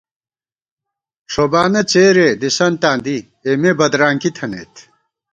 ݭوبانہ څېرےدِسنتاں دی، اېمےبدرانکی تھنَئیت